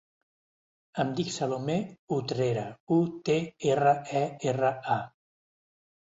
Em dic Salomé Utrera: u, te, erra, e, erra, a.